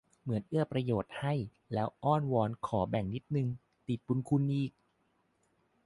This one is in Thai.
เหมือนเอื้อประโยชน์ให้ แล้วอ้อนวอนขอแบ่งนิดนึง ติดบุญคุณอีก